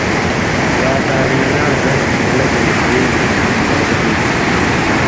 یا دان٘ڑیالاں رس نھیلہ گلے پُولیۡ کھیں ہُم فائده ہوتُھو۔